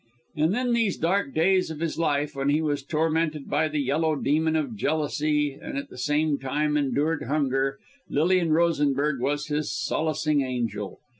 And in these dark days of his life, when he was tormented by the yellow demon of jealousy, and at the same time endured hunger, Lilian Rosenberg was his solacing angel.